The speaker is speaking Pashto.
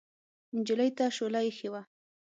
نجلۍ ته شوله اېښې وه.